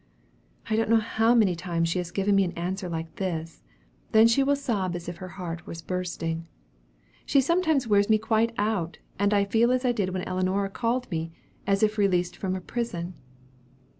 I don't know how many times she has given me an answer like this. Then she will sob as if her heart were bursting. She sometimes wears me quite out; and I feel as I did when Ellinora called me, as if released from a prison."